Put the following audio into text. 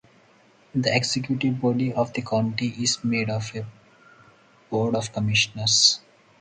The executive body of the county is made of a board of commissioners.